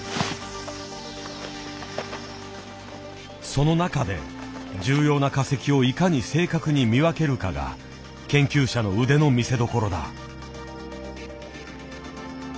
その中で重要な化石をいかに正確に見分けるかが研究者の腕の見せどころだ。